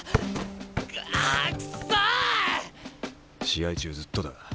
試合中ずっとだ。